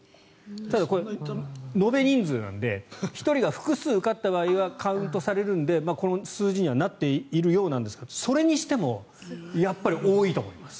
ただ、これは延べ人数なので１人が複数受かった場合はカウントされるのでこの数字にはなっているようなんですがそれにしてもやっぱり多いと思います。